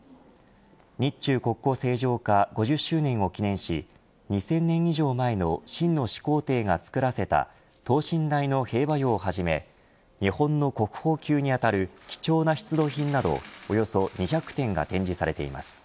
日中国交正常化５０周年を記念し２０００年以上前の秦の始皇帝が作らせた等身大の兵馬俑をはじめ日本の国宝級にあたる貴重な出土品などおよそ２００点が展示されています。